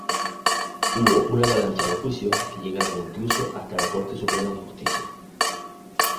Hubo una avalancha de juicios que llegaron incluso hasta la Corte Suprema de Justicia.